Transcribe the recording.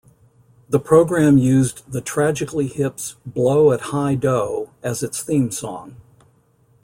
The program used The Tragically Hip's "Blow at High Dough" as its theme song.